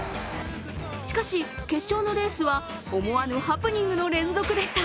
しかし、決勝のレースは思わぬハプニングの連続でした。